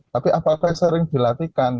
tapi apakah sering dilatihkan